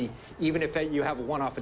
meskipun anda memiliki penyerangan